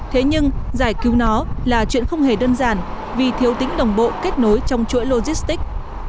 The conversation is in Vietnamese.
thế nhưng giải cứu nó là chuyện không hề đơn giản vì thiếu tính đồng bộ kết nối trong chuỗi logistics